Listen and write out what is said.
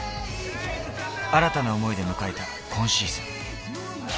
新たな思いで迎えた今シーズン。